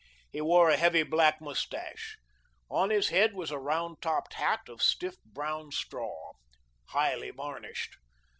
He wore a heavy black moustache. On his head was a round topped hat of stiff brown straw, highly varnished.